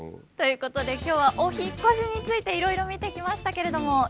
ということで今日はお引っ越しについていろいろ見てきましたけれども。